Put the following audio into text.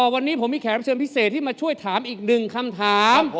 วันนี้ผมมีแขกรับเชิญพิเศษที่มาช่วยถามอีกหนึ่งคำถาม